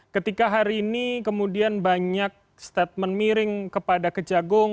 ketika hari ini kemudian banyak statement miring kepada kejagung